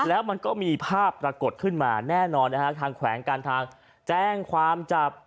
แล้วมันก็มีภาพปรากฏขึ้นมาแน่นอนนะฮะทางแขวงการทางแจ้งความจับ